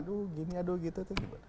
aduh gini aduh gitu